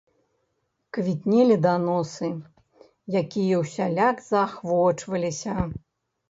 Квітнелі даносы, якія ўсяляк заахвочваліся.